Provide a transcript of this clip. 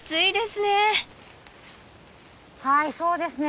はいそうですね。